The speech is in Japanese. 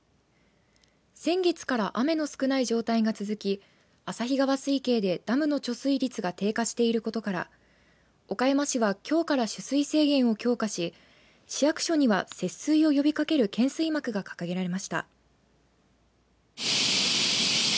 先月から雨の少ない状態が続き旭川水系でダムの貯水率が低下していることから岡山市はきょうから取水制限を強化し市役所には節水を呼びかける懸垂幕が掲げられました。